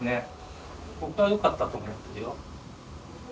僕はよかったと思ってるよ。